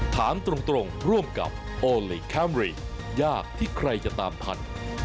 ถามตรงร่วมกับโอลี่คัมรี่ยากที่ใครจะตามทัน